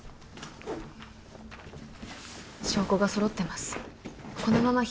証拠が揃ってます